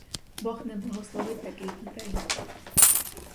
Бог не благословить таких дітей.